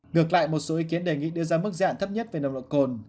ngược lại một số ý kiến đề nghị đưa ra mức dạng thấp nhất về nồng độ cồn